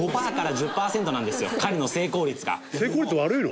成功率悪いの？